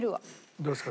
どうですか？